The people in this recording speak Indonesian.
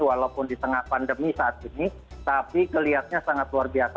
walaupun di tengah pandemi saat ini tapi kelihatannya sangat luar biasa